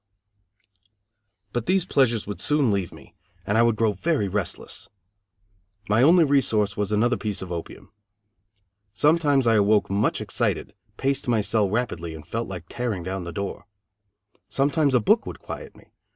But these pleasures would soon leave me, and I would grow very restless. My only resource was another piece of opium. Sometimes I awoke much excited, paced my cell rapidly and felt like tearing down the door. Sometimes a book would quiet me.